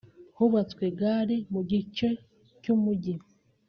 Hubatswe gare mu gice cy’Umujyi